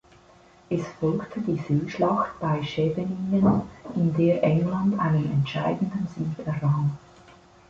Es folgte die Seeschlacht bei Scheveningen, in der England einen entscheidenden Sieg errang.